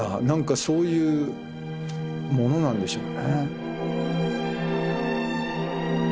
なんかそういうものなんでしょうね。